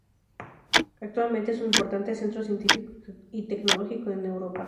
Actualmente es un importante centro científico y tecnológico en Europa.